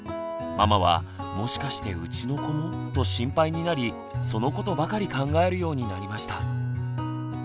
ママは「もしかしてうちの子も」と心配になりそのことばかり考えるようになりました。